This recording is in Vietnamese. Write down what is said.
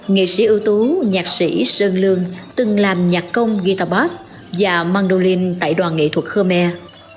nghệ sĩ ưu tú nhạc sĩ sơn lương từng làm nhạc công guitar bass và mandolin tại đoàn nghệ thuật khmer